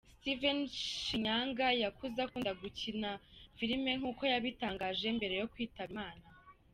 Steven Shinyanga yakuze akunda gukina filime nk’uko yabitangaje mbere yo kwitaba Imana.